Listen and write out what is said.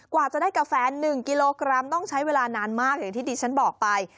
กว่าจะได้กาแฟ๑กิโลกรัมต้องใช้เวลานานมากอย่างที่ดิฉันบอกไป